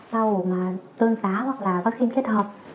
lau tơn giá hoặc là vắc xin kết hợp